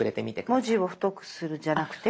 「文字を太くする」じゃなくて？